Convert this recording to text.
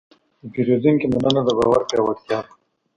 د پیرودونکي مننه د باور پیاوړتیا ده.